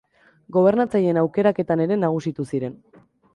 Gobernatzaileen aukeraketan ere nagusitu ziren.